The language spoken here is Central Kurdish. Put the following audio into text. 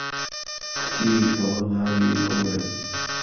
کوتی ئهوه ماوی عومرم